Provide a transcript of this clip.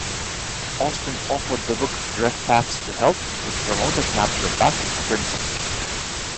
Austin authored the book "Direct Paths to Health" which promoted naturopathic principles.